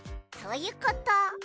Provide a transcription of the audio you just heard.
そういうこと。